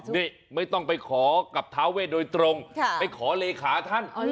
นี่ไม่ต้องไปขอกับท้าเวทโดยตรงไปขอเลขาท่าน